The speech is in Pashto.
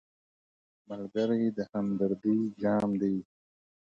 ملګری د همدردۍ جام دی